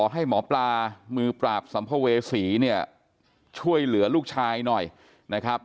ให้หมอปลามือปราบสัมภเวษีเนี่ยช่วยเหลือลูกชายหน่อยนะครับ